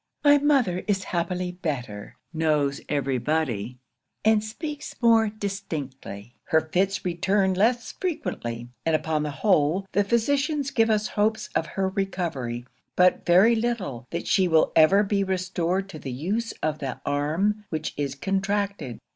'My mother is happily better; knows every body, and speaks more distinctly; her fits return less frequently; and upon the whole, the physicians give us hopes of her recovery, but very little that she will ever be restored to the use of the arm which is contracted.